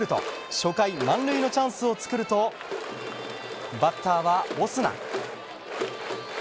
初回、満塁のチャンスを作るとバッターはオスナ。